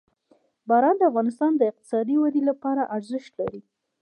باران د افغانستان د اقتصادي ودې لپاره ارزښت لري.